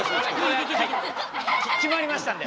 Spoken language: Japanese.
決まりましたんで。